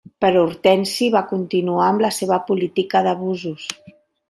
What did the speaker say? Però Hortensi va continuar amb la seva política d'abusos.